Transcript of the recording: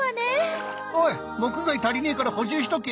おい木材足りねえから補充しとけ。